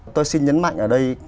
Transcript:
tôi xin nhấn mạnh ở đây là